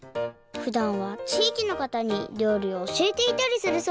ふだんはちいきのかたにりょうりをおしえていたりするそうです